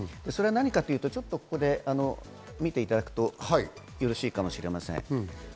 何かというと、見ていただくとよろしいかもしれません。